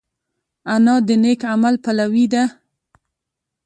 انا د نېک عمل پلوي ده